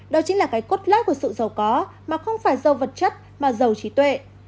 đó chính là cái cốt lát của sự giàu có mà không phải giàu vật chất mà giàu trí tuệ